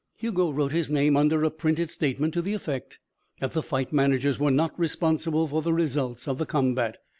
Hugo wrote his name under a printed statement to the effect that the fight managers were not responsible for the results of the combat.